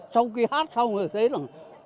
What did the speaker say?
sau khi hát xong rồi thấy là